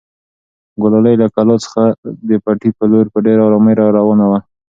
ګلالۍ له کلا څخه د پټي په لور په ډېرې ارامۍ راروانه وه.